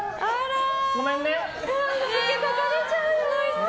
ごめんね。